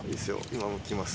今むきます。